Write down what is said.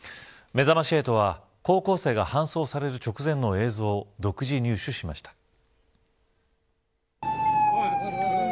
めざまし８は、高校生が搬送される直前の映像を独自入手しました。